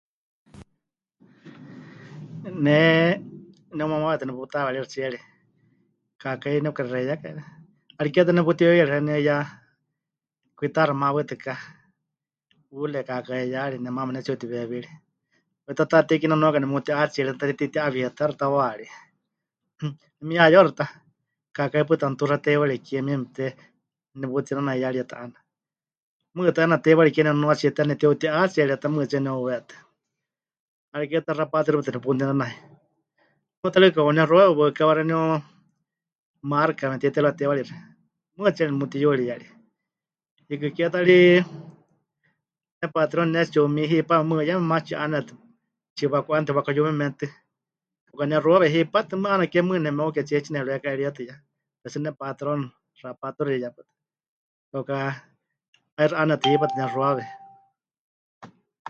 Ne neheumamawetɨ neputaweeríxɨ tsiere, kaakái nepɨkaxexeiyákai, 'ariké ta neputiweewíyarie xeeníu 'iyá kwitaaxi mawɨtɨká, hule kaakaiyari nemaama pɨnetsi'utiweewíri, pero ta Taatei Kie nenuaka neputí'atsierie ta ri netiti'awietáxɨ tawaarí, nemihayewaxɨ ta, kaakái pɨta mɨtuxa teiwari kie miemete neputinanaiyárie ta 'aana, mɨɨkɨ ta 'eena teiwari kie nemɨnuatsie ta netiuti'atsiere ta mɨɨkɨtsie neheuwétɨ, 'ariké ke ta xapatuxi pɨta neputinanai, mɨɨkɨ ta ri kauka nexuawe waɨkawa xeeníu marca memɨte'itérɨwa teiwarixi, mɨɨkɨ tsiere nemutiyuriyarie, hiikɨ ke ta ri nepatrón mɨnetsi'umi hipame mɨɨkɨ yeme maatsi tsi'ánenetɨ, tsiwaku'ánenetɨ wakuyumemenitɨ kauka nexuawe hipátɨ, mɨɨkɨ 'aana ke mɨɨkɨ nemeuketsie tsinepɨreka'eríetɨya, pero tsɨ nepatrón xapatuxieya, kauka 'aixɨ 'ánenetɨ hipátɨ nexuawe.